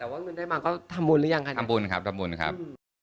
แต่ว่าเงินได้มาก็ทำบุญหรือยังคะทำบุญครับทำบุญครับ